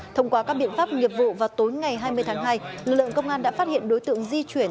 thông qua các biện pháp nghiệp vụ vào tối ngày hai mươi tháng hai lực lượng công an đã phát hiện đối tượng di chuyển